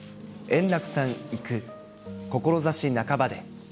円楽さん逝く、志半ばで。